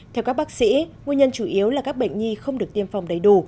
theo các bác sĩ nguyên nhân chủ yếu là các bệnh nhi không được tiêm phòng đầy đủ